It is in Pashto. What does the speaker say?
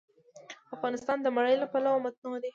افغانستان د منی له پلوه متنوع دی.